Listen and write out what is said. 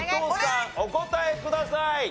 お答えください。